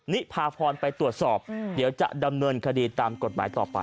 นิพาพรไปตรวจสอบเดี๋ยวจะดำเนินคดีตามกฎหมายต่อไป